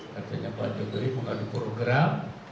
katanya pak jokowi bukan program